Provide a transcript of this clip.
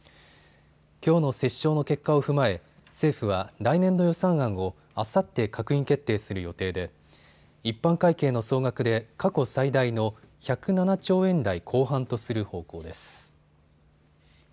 きょうの折衝の結果を踏まえ政府は来年度予算案をあさって閣議決定する予定で一般会計の総額で過去最大の１０７兆円台後半とする方向です。